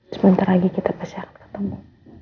sebentar lagi kita pasti akan ketemu